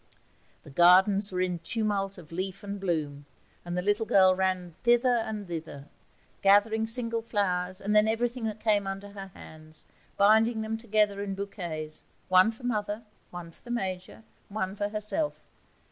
The gardens were in tumult of leaf and bloom, and the little girl ran hither and thither, gathering single flowers, and then everything that came under her hands, binding them together in bouquets one for mother, one for the Major, and one for herself.